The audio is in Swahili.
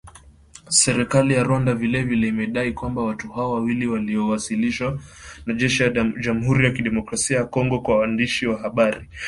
Serikali ya Rwanda vile vile imedai kwamba watu hao wawili waliowasilishwa na jeshi la Jamhuri ya kidemokrasia ya Kongo kwa waandishi wa habari.